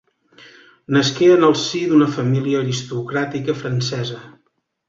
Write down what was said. Nasqué en el si d'una família aristocràtica francesa.